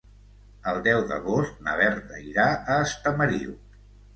El deu d'agost na Berta irà a Estamariu.